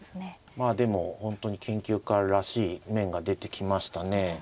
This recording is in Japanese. まあでも本当に研究家らしい面が出てきましたね。